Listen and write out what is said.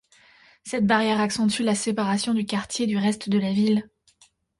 Cette barrière accentue la séparation du quartier du reste de la ville.